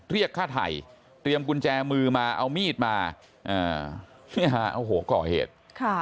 เรียกค่าไถเตรียมกุญแจมือมาเอามีดมาก่อเหตุ